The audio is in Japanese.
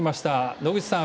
野口さん